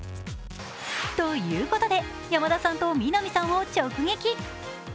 ということで山田さんと南さんを直撃。